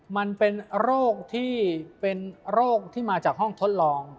มันเป็นโรคที่มาจากห้องทดลอง